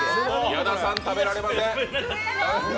矢田さん、食べられません。